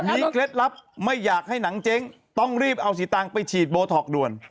มีเคล็ดลับไม่อยากให้หนังเจ๊งต้องรีบเอาสีตังค์ไปฉีดโบท็อกด่วน